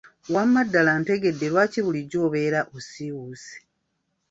Wamma ddala ntegedde lwaki bulijjo obeera osiiwuuse.